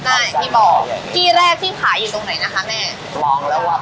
อย่างที่บอกที่แรกที่ขายอยู่ตรงไหนนะคะแม่มองแล้วว่า